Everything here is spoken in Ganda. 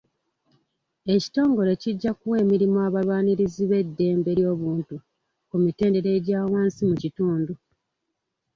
Ekitongole kijja kuwa emirimu abalwanirizi b'eddembe ly'obuntu ku mitendera egya wansi mu kitundu.